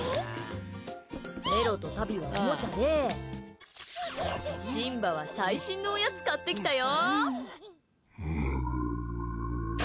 メロとタビはおもちゃでシンバは最新のおやつ買ってきたよ！